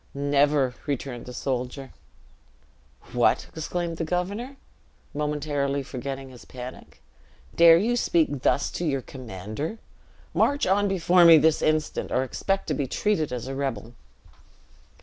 "Never," returned the soldier. "What!" exclaimed the governor, momentarily forgetting his panic, "dare you speak thus to your commander? March on before me this instant, or expect to be treated as a rebel."